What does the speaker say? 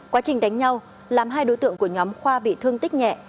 quá trình đánh nhau làm hai đối tượng của nhóm khoa bị thương tích nhẹ